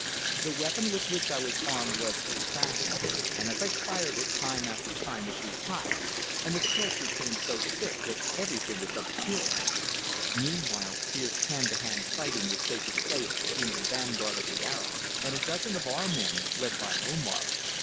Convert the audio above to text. The weapon with which I was armed was old fashioned, and as I fired it time after time it grew hot, and the smoke became so thick that everything was obscured. Meanwhile fierce hand to hand fighting was taking place between the vanguard of the Arabs and a dozen of our men led by Omar.